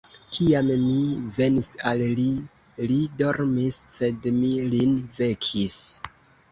Kiam mi venis al li, li dormis; sed mi lin vekis.